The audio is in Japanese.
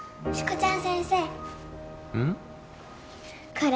これ。